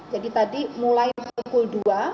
jadi tadi mulai pukul dua